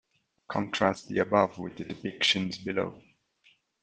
Contrast the above with the depictions below.